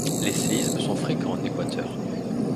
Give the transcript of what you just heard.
Les séismes sont fréquents en Équateur.